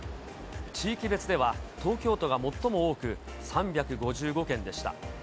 地域別では東京都が最も多く、３５５件でした。